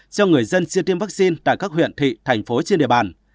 cho người dân siêu tiêm vaccine tại các huyện thị thành phố trên địa bàn